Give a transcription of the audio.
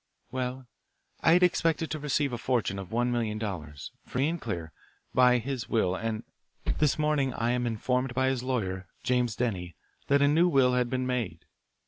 "Well, I had expected to receive a fortune of one million dollars, free and clear, by his will and this morning I am informed by his lawyer, James Denny, that a new will had been made.